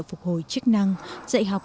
phục hồi chức năng dạy học